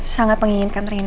sangat menginginkan reina jadi